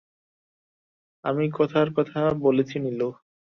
আমি কথার কথা বলছি নীলু।